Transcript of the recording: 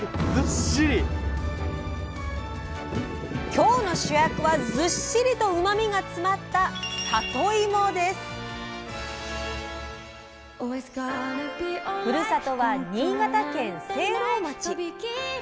今日の主役はずっしりとうまみが詰まったふるさとは新潟県聖籠町。